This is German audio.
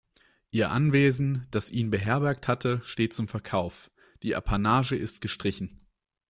Ihr Anwesen, das ihn beherbergt hatte, steht zum Verkauf; die Apanage ist gestrichen.